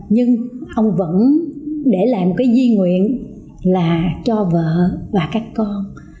nhưng ông vẫn để lại một cái duy nguyện là cho vợ và các con